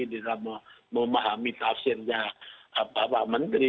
di dalam memahami tafsirnya bapak menteri